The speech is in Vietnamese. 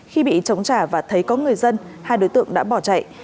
khi bị chống trả và thấy có người dân hai đối tượng đã bỏ chạy